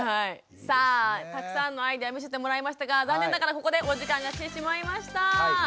さあたくさんのアイデア見せてもらいましたが残念ながらここでお時間が来てしまいました。